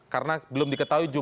karena belum diketahui juga